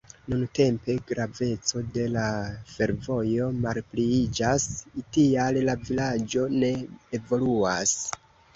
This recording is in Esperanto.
Nuntempe graveco de la fervojo malpliiĝas, tial la vilaĝo ne evoluas.